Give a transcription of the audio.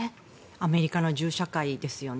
アメリカの銃社会ですよね。